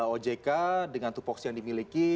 ojk dengan tupoksi yang dimiliki